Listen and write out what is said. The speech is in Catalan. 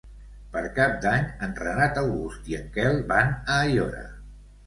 Per Cap d'Any en Renat August i en Quel van a Aiora.